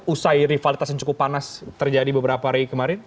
usai rivalitas yang cukup panas terjadi beberapa hari kemarin